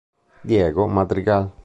Diego Madrigal